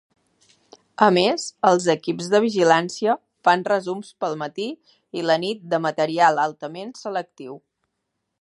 A més, els equips de vigilància fan resums pel matí i la nit de material altament selectiu.